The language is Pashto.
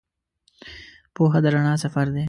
پوهه د رڼا سفر دی.